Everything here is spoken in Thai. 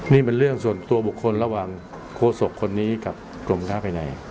นี่มันเรื่องส่วนตัวบุคคลระหว่างโครสกคนนี้กับกลมท่าไปไหน